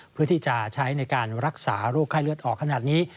เพื่อที่จะใช้ในการรักษาโรคไข้เลือดออกขนาดนี้